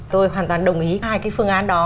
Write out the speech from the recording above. tôi hoàn toàn đồng ý hai cái phương án đó